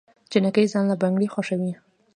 جينکۍ ځان له بنګړي خوښوي